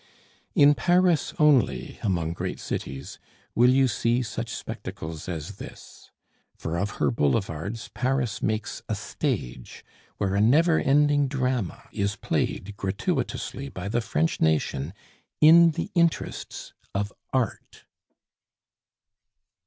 In Paris only among great cities will you see such spectacles as this; for of her boulevards Paris makes a stage where a never ending drama is played gratuitously by the French nation in the interests of Art.